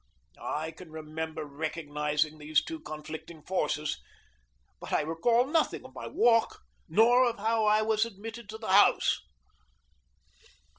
I can remember recognizing these two conflicting forces, but I recall nothing of my walk, nor of how I was admitted to the house.